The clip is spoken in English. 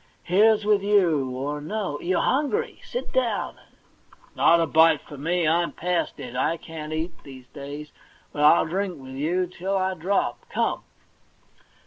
Here's with you ! Or, no — you're hungry ; sit down and '* Not a bite for me ; I'm past it. I can't eat, these days; but I'll drink with you till I drop. Come